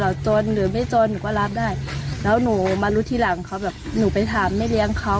จนหรือไม่จนหนูก็รับได้แล้วหนูมารู้ทีหลังเขาแบบหนูไปถามแม่เลี้ยงเขา